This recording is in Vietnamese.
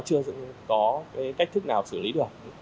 chưa có cái cách thức nào xử lý được